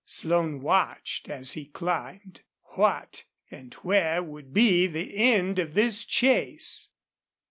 Slone watched as he climbed. What and where would be the end of this chase?